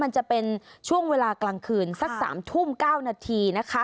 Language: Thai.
มันจะเป็นช่วงเวลากลางคืนสัก๓ทุ่ม๙นาทีนะคะ